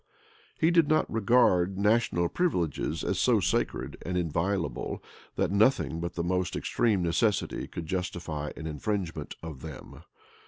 He did not regard national privileges as so sacred and inviolable, that nothing but the most extreme necessity could justify an infringement of them.